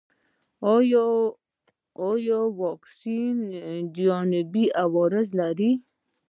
ایا واکسین جانبي عوارض لري؟